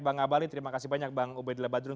bang abalin terima kasih banyak bang ubedillah badrun